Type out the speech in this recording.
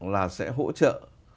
là sẽ hỗ trợ